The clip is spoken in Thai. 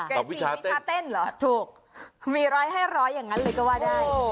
วิชาเต้นเหรอถูกมีร้อยให้ร้อยอย่างนั้นเลยก็ว่าได้